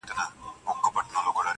خو لنډغري مه کوئ